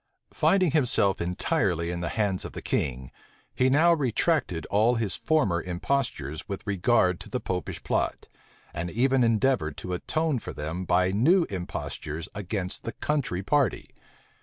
Finding himself entirely in the hands of the king, he now retracted all his former impostures with regard to the popish plot, and even endeavored to atone for them by new impostures against the country party.